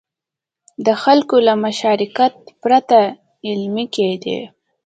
د خلکو له مشارکت پرته عملي کېدې.